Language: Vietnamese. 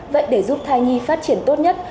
vậy để giúp thai nhi phát triển tốt nhất